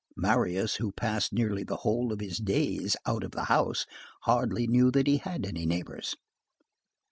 Marius, who passed nearly the whole of his days out of the house, hardly knew that he had any neighbors.